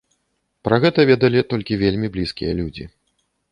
Пра гэта ведалі толькі вельмі блізкія людзі.